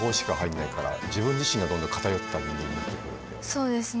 そうですね。